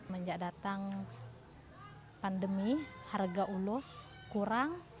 menjak datang pandemi harga ulas kurang